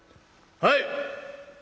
「はい！」。